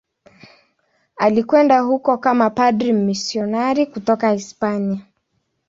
Alikwenda huko kama padri mmisionari kutoka Hispania.